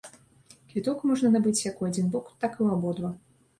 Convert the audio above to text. Квіток можна набыць як у адзін бок, так і ў абодва.